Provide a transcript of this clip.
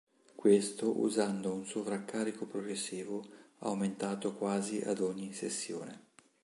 Questo usando un sovraccarico progressivo aumentato quasi ad ogni sessione.